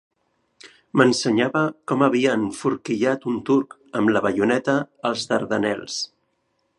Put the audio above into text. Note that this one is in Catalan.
M'ensenyava, com havia enforquillat un turc, amb la baioneta, als Dardanels.